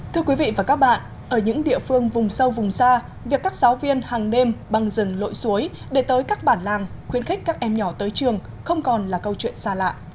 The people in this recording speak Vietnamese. thưa quý vị và các bạn ở những địa phương vùng sâu vùng xa việc các giáo viên hàng đêm băng rừng lội suối để tới các bản làng khuyến khích các em nhỏ tới trường không còn là câu chuyện xa lạ